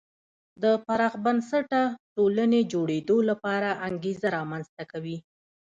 د پراخ بنسټه ټولنې جوړېدو لپاره انګېزه رامنځته کوي.